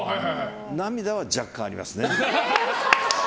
涙は若干ありますね。